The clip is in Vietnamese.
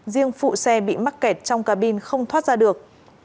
riêng phụ xe bị mắc kẹt trong ca bin không thoát ra được